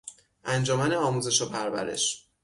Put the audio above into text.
انجمن آموزش و پرورش